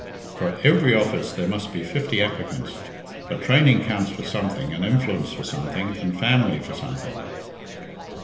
For every office there must be fifty applicants, but training counts for something, and influence for something, and family for something."